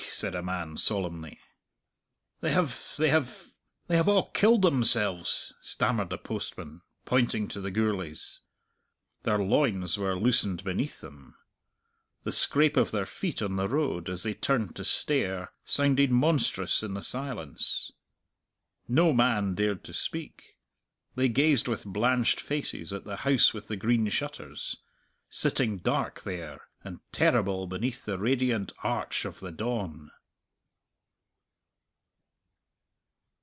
said a man solemnly. "They have they have they have a' killed themselves," stammered the postman, pointing to the Gourlays. Their loins were loosened beneath them. The scrape of their feet on the road, as they turned to stare, sounded monstrous in the silence. No man dared to speak. They gazed with blanched faces at the House with the Green Shutters, sitting dark there and terrible beneath the radiant arch of the dawn.